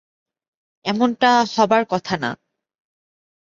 এমনটা হবার কথা না।